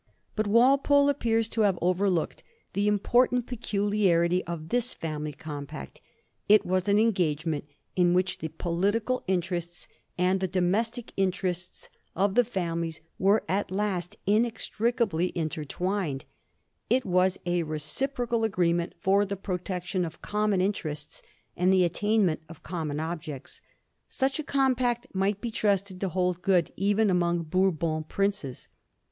But Walpole appears to have overlooked the important peculiarity of this family compact ; it was an engagement in which the political interests and the domes tic interests of the families were at last inextricably inter twined ; it was a reciprocal agreement for the protection of common interests and the attainment of common ob jects. Such a compact might be trusted to hold good even among Bourbon princes.